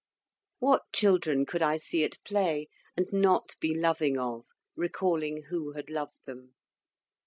What children could I see at play, and not be loving of, recalling who had loved them!